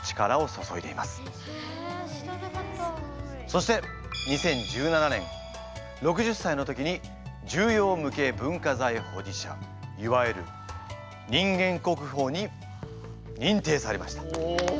そして２０１７年６０歳の時に重要無形文化財保持者いわゆる人間国宝に認定されました。